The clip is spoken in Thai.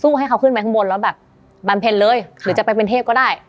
สู้ให้เขาขึ้นมาข้างบนแล้วแบบบรรเภนเลยค่ะหรือจะไปเป็นเทพก็ได้